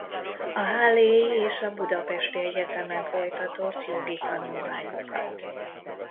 A hallei és a budapesti egyetemen folytatott jogi tanulmányokat.